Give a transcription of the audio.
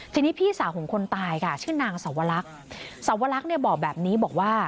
ทีนี้พี่สาวของคนตายค่ะชื่อนางสวรรคสวรรคเนี่ยบอกแบบนี้บอกว่า